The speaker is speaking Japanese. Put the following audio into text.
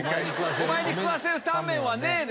お前に食わせるタンメンはねえ！